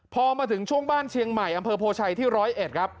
พอมาถึงช่วงบ้านเชียงใหม่อำเภอโพชัยที่๑๐๑ครับ